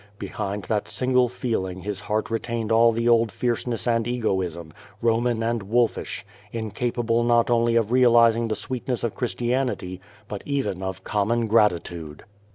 Behind that single feeling his heart retained all the old fierceness and egoism, Roman and wolfish, incapable not only of realizing the sweet ness of Christianity, but even of common gratitude.